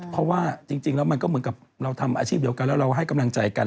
เพราะว่าจริงแล้วมันก็เหมือนกับเราทำอาชีพเดียวกันแล้วเราให้กำลังใจกัน